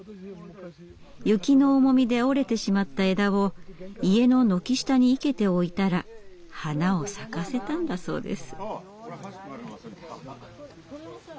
雪の重みで折れてしまった枝を家の軒下に生けておいたら花を咲かせたんだそうです。